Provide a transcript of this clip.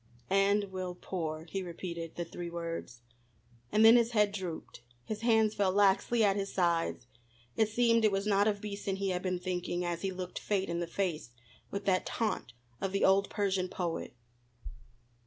"And will pour," he repeated the three words. And then his head drooped, his hands fell laxly at his sides. It seemed it was not of Beason he had been thinking as he looked Fate in the face with that taunt of the old Persian poet.